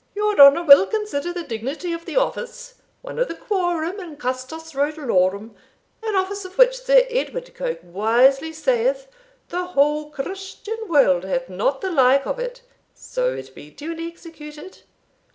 "Your honour will consider the dignity of the office one of the quorum and custos rotulorum, an office of which Sir Edward Coke wisely saith, The whole Christian world hath not the like of it, so it be duly executed."